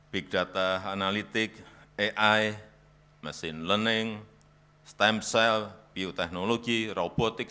big data analytic ai mesin learning stem cell bioteknologi robotik